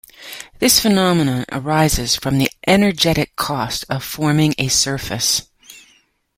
This phenomenon arises from the energetic cost of forming a surface.